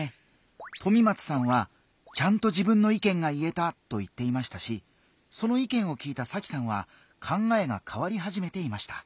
とみまつさんは「ちゃんと自分の意見が言えた」と言っていましたしその意見を聞いたさきさんは考えが変わり始めていました。